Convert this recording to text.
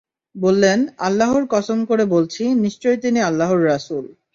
বললেন, আল্লাহর কসম করে বলছি, নিশ্চয় তিনি আল্লাহর রাসূল।